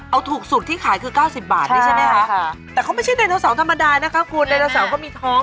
เอาถูกสุดที่ขายคือ๙๐บาทนี่ใช่ไหมคะค่ะ